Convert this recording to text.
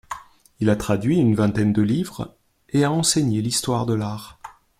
Il a traduit une vingtaine de livres et a enseigné l’histoire de l’art.